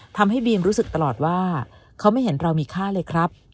ทำให้บีมรู้สึกตลอดว่าเขาไม่เห็นเรามีค่าเลยครับ